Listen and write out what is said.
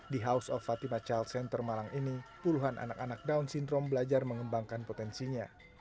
di house of fatima child center malang ini puluhan anak anak down syndrome belajar mengembangkan potensinya